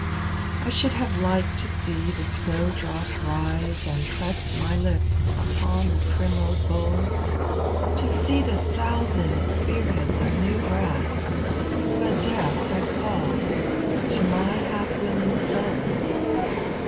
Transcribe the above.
I should have liked to see the snowdrop rise, And pressed my Ups upon the primrose bowl. To see the thousand spear heads of new grass. But death had called to my half willing soul.